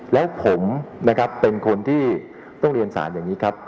แล้วผมนะครับเป็นคนที่ต้องเรียนสารอย่างนี้ครับ